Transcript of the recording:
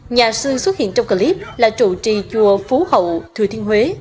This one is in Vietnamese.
nhà sư xuất hiện trong clip là chủ trì chùa phú hậu thừa thiên huế